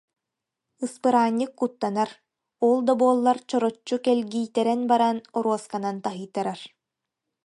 Ыспыраанньык куттанар, ол да буоллар чороччу кэлгийтэрэн баран оруосканан таһыйтарар